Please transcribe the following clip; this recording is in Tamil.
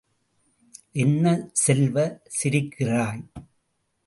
என்ன செல்வ, சிரிக்கிறாய்?